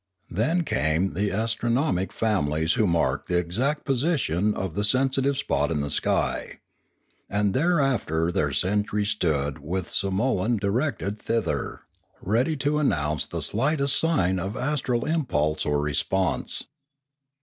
Then came the astronomic families who marked the exact position of the sensitive spot in the sky. And thereafter their sentry stood with sar molan directed thither, ready to announce the slightest sigu of astral impulse or response.